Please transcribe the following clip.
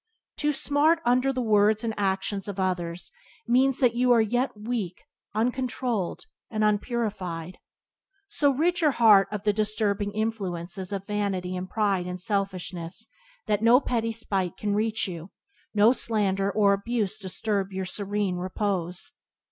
To smart under the words and actions of others means that you are yet weak, uncontrolled, unpurified. So rid your heart of the disturbing influences of vanity and pride and selfishness that no petty spite can reach you, no slander or abuse disturb your serene repose.